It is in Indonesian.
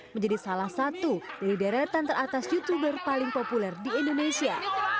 menjadi salah satu dari deretan teratas youtuber paling populer di indonesia